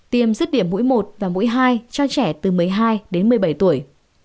tiêm rứt điểm mũi một và mũi hai cho trẻ từ một mươi hai đến một mươi bảy tuổi